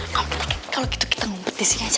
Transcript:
kalau gitu kita ngumpet disini aja